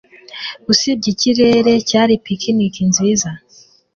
Usibye ikirere, cyari picnic nziza.